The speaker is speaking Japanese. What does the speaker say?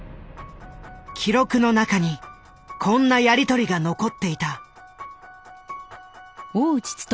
記録の中にこんなやり取りが残っていた。